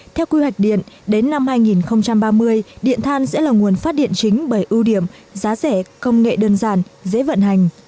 theo quy hoạch điện đến năm hai nghìn ba mươi điện than sẽ là nguồn phát điện chính bởi ưu điểm giá rẻ công nghệ đơn giản dễ vận hành